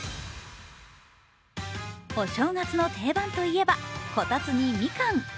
お正月の定番といえば、こたつにみかん。